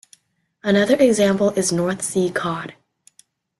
Another example is North Sea cod.